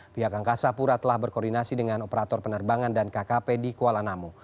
pihak angkasa pura telah berkoordinasi dengan operator penerbangan dan kkp di kuala namu